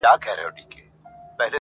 خو په ونه کي تر دوی دواړو کوچنی یم٫